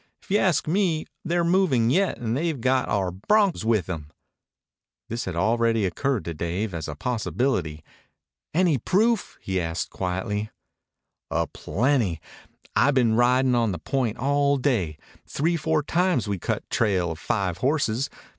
If you ask me, they're movin' yet, and they've got our broncs with 'em." This had already occurred to Dave as a possibility. "Any proof?" he asked quietly. "A plenty. I been ridin' on the point all day. Three four times we cut trail of five horses.